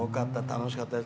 楽しかった。